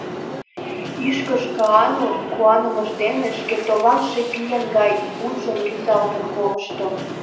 Ӱшкыж-Каану куанымыж дене шке товаҥше пийын гай вуйжым рӱзалтын колышто.